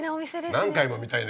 何回も見たいね